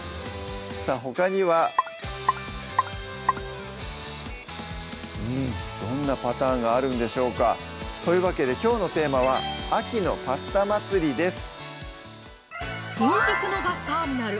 さぁほかにはうんどんなパターンがあるんでしょうかというわけできょうのテーマは「秋のパスタ祭り」です